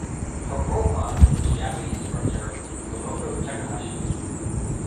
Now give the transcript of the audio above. Her role model is Japanese sprinter Momoko Takahashi.